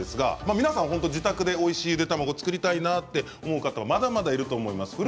皆さん、自宅でおいしいゆで卵を作りたいなと思う方、まだまだいると思います。